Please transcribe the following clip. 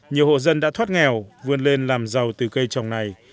nhiều hộ dân đã thoát nghèo vươn lên làm giàu từ cây trồng này